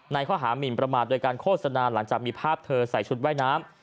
ข้อหามินประมาทโดยการโฆษณาหลังจากมีภาพเธอใส่ชุดว่ายน้ำ